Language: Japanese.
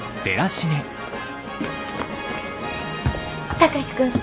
貴司君！